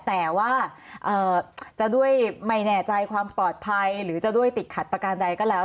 แต่ว่าจะด้วยไม่แน่ใจความปลอดภัยหรือจะด้วยติดขัดประการใดก็แล้ว